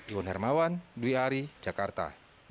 iwan hermawan dwi ari jakarta